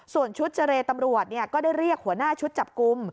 ส่วนชุดเจรตำรวจก็ได้เรียกหัวหน้าชุดจับกลุ่ม